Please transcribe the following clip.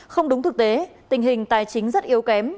không đúng thực tế tình hình tài chính rất yếu kém